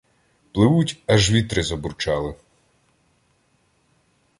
Пливуть — аж вітри забурчали